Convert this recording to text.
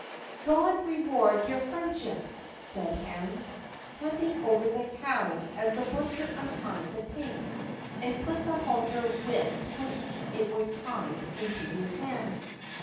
"God reward your friendship!" said Hans, handing over the cow, as the butcher untied the pig, and put the halter with which it was tied into his hand.